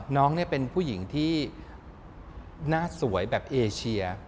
น้องเป็นผู้หญิงที่หน้าสวยแบบเอเชีย